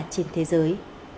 trên thế giới